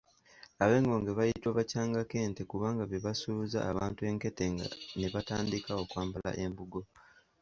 Ab’engonge bayitibwa ‘abakyangankete’ kubanga be basuuza abantu enkete ne batandika okwambala embugo.